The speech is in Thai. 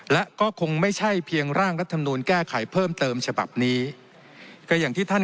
และก็คงไม่ใช่เพียงร่างรัฐมนูลแก้ไขเพิ่มเติมฉบับนี้ก็อย่างที่ท่าน